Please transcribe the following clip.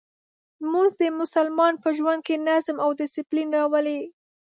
لمونځ د مسلمان په ژوند کې نظم او دسپلین راولي.